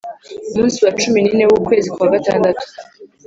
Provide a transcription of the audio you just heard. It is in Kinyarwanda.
Umunsi wa cumi n ine w ukwezi kwa gatandatu